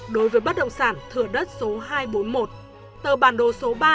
đối với bất động sản thừa đất số hai trăm bốn mươi một tờ bản đồ số ba